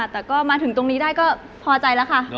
แต่ก็มาถึงตรงนี้ได้ก็พอใจแล้วค่ะ